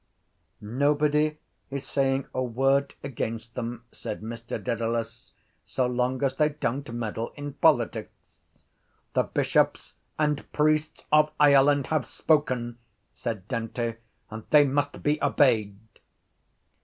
—Nobody is saying a word against them, said Mr Dedalus, so long as they don’t meddle in politics. —The bishops and priests of Ireland have spoken, said Dante, and they must be obeyed.